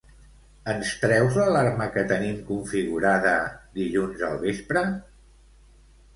Ens treus l'alarma que tenim configurada dilluns al vespre?